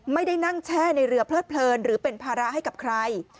ไม่ได้นั่งแช่ในเรือเพลิดเพลินหรือเป็นภาระให้กับใคร